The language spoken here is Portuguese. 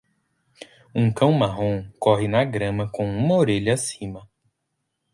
Um cão marrom corre na grama com uma orelha acima.